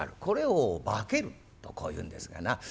これを「化ける」とこういうんですがな